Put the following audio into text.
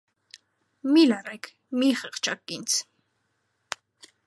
Մի՛ լռեք, մի՛ խղճաք ինձ: